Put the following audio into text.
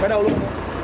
quay đầu luôn